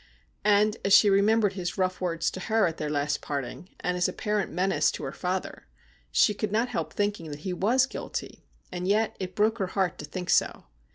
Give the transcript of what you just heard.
And as she remembered his rough words to her at their last parting, and his apparent menace to her father, she could not help thinking that he was guilty, and yet it broke her heart to think so.